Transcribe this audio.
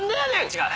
違う。